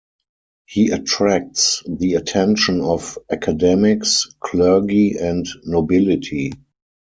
He attracts the attention of academics, clergy and nobility.